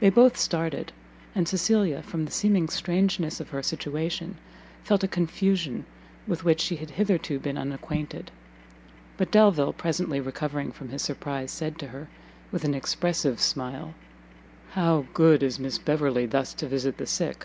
They both started, and Cecilia, from the seeming strangeness of her situation, felt a confusion with which she had hitherto been unacquainted. But Delvile, presently recovering from his surprise, said to her, with an expressive smile, "How good is Miss Beverley thus to visit the sick!